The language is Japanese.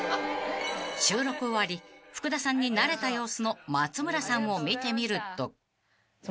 ［収録終わり福田さんに慣れた様子の松村さんを見てみると］性格が。